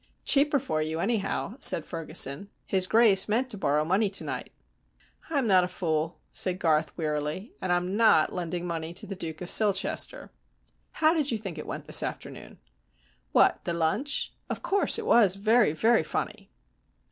"Cheaper for you, anyhow," said Ferguson. "His Grace meant to borrow money to night." "I'm not a fool," said Garth, wearily, "and I'm not lending money to the Duke of Silchester. How did you think it went this afternoon?" "What? The lunch? Of course it was very, very funny."